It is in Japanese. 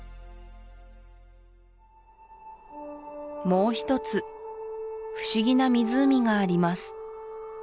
もう一つ不思議な湖があります